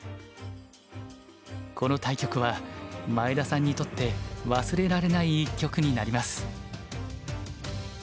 この対局は前田さんにとって忘れられない一局になります。